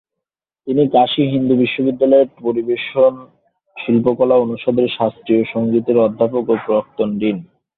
তিনি কাশী হিন্দু বিশ্ববিদ্যালয়ের পরিবেশন শিল্পকলা অনুষদে শাস্ত্রীয় সংগীতের অধ্যাপক এবং প্রাক্তন ডিন।